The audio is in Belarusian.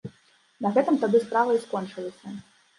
На гэтым тады справа і скончылася.